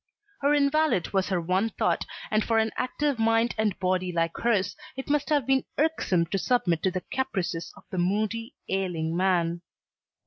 Her invalid was her one thought, and for an active mind and body like hers, it must have been irksome to submit to the caprices of a moody, ailing man.